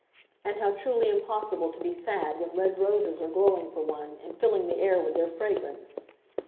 And how truly impossible to be sad when red roses are glowing for one, and filling the air with their fragrance!